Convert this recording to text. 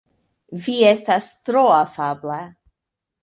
Vi estas tro afabla.